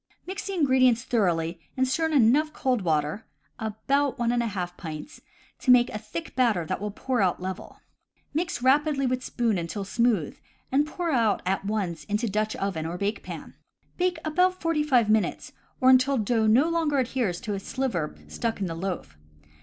Mix the ingredients thoroughly and stir in enough cold water (about one and a half pints) to make a thick batter that will pour out level. Mix rapidly with spoon until smooth, and pour out at once into Dutch oven or bake pan. Bake about forty five minutes, or until no dough adheres to a sliver stuck into the loaf.